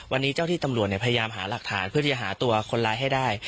วันนี้เจ้าที่ตำรวจพยายามหาหลักฐานเพื่อที่จะหาตัวคนร้ายให้ได้